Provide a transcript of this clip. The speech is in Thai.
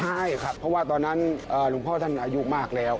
ใช่ครับเพราะว่าตอนนั้นหลวงพ่อท่านอายุมากแล้ว